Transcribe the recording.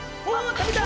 食べた！